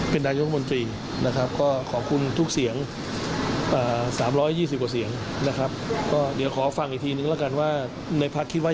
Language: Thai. ปิดสวิชสอวร์นี่แหละครับคุณเศรษฐาบอกมันก็สุดทางแล้วล่ะ